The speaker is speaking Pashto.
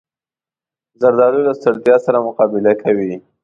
زردالو له ستړیا سره مقابله کوي.